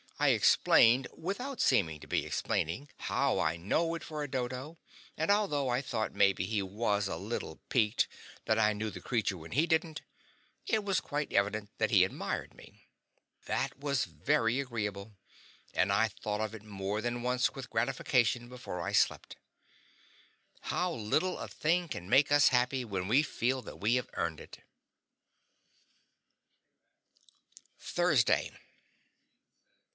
I explained without seeming to be explaining how I know it for a dodo, and although I thought maybe he was a little piqued that I knew the creature when he didn't, it was quite evident that he admired me. That was very agreeable, and I thought of it more than once with gratification before I slept. How little a thing can make us happy when we feel that we have earned it! THURSDAY.